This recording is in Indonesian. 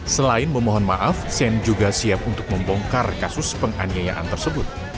selain memohon maaf shane juga siap untuk membongkar kasus penganiayaan tersebut